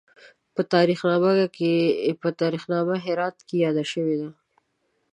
په تاریخ نامه هرات کې یاد شوی دی.